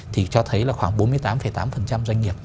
thì cho thấy là khoảng bốn mươi tám tám doanh nghiệp